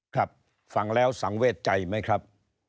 ครับฟังแล้วสังเวทใจไหมครับ